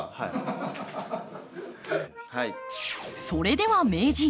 それでは名人！